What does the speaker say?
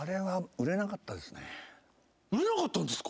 売れなかったんですか？